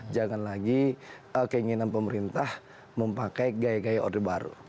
jangan lagi keinginan pemerintah memakai gaya gaya orde baru